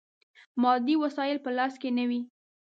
مادي وسایل په لاس کې نه وي.